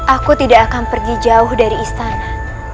aku tidak akan pergi jauh dari istana